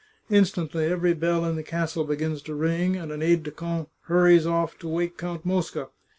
Instantly every bell in the castle begins to ring, and an aide de camp hurries off to wake Count Mosca.